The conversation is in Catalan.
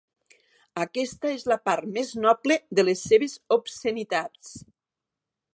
Aquesta és la part més noble de les seves obscenitats.